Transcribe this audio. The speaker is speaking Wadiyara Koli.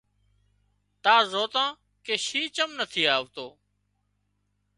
تار زوتان ڪي شينهن چم نٿي آوتو